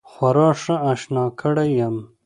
خورا ښه آشنا کړی یم.